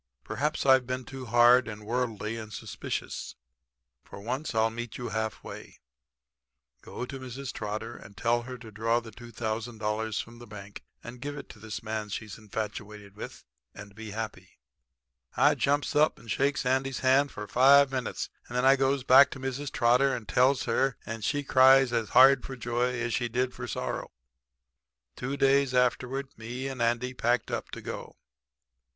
Perhaps I've been too hard and worldly and suspicious. For once I'll meet you half way. Go to Mrs. Trotter and tell her to draw the $2,000 from the bank and give it to this man she's infatuated with and be happy.' "I jumps up and shakes Andy's hand for five minutes, and then I goes back to Mrs. Trotter and tells her, and she cries as hard for joy as she did for sorrow. "Two days afterward me and Andy packed up to go.